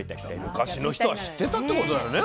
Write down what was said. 昔の人は知ってたってことだよね